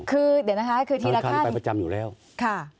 คือเดี๋ยวนะฮะคือทีละขั้นโอ้นครรภ์ค่ะ